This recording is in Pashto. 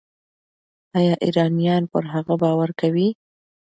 ایا ایرانیان پر هغه باور کوي؟